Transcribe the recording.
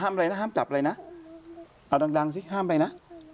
อะไรนะห้ามจับอะไรนะเอาดังสิห้ามไปนะ